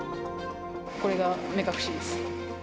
これが目隠しです。